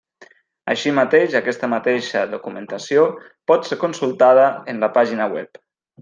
Així mateix aquesta mateixa documentació pot ser consultada en la pàgina web.